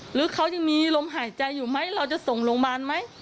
หรือเขายังมีลมหายใจอยู่ไหมเราจะส่งโรงพยาบาลไหม